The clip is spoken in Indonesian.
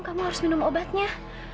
kamu harus minum obatnya